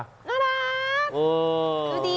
น่ารัก